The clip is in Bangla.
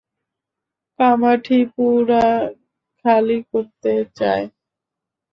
কামাঠিপুরা খালি করতে চায়।